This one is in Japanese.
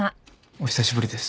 お久しぶりです。